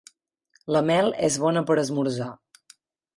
La mel és bona per esmorzar.